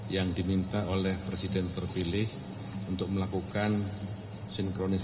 yang diminta oleh presiden terpilih untuk melakukan sinkronisasi